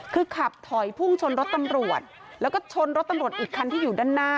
คือขับถอยพุ่งชนรถตำรวจแล้วก็ชนรถตำรวจอีกคันที่อยู่ด้านหน้า